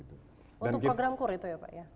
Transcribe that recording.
untuk program kur itu ya pak ya